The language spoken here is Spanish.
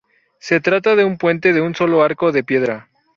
Se trata de un puente de un solo arco de piedra.